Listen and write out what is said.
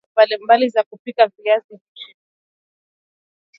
njia mbalimbali ya kupika viazi lishe